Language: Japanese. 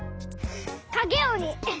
かげおに！